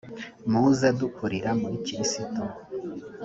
muze dukurira muri kristo.